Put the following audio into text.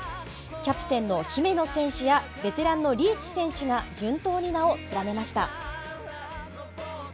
キャプテンの姫野選手や、ベテランのリーチ選手が順当に名を連ねました。